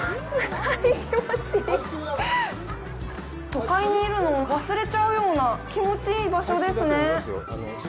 都会にいるのを忘れちゃうような気持ちいい場所ですね。